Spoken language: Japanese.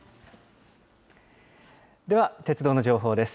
では鉄道の情報です。